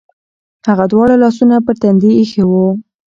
هغه دواړه لاسونه پر تندي ایښي و.